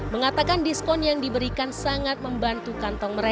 mengatakan diskon yang diberikan sangat membantu kepentingan